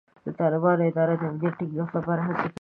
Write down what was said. د طالبانو اداره د امنیت ټینګښت لپاره هڅې کوي.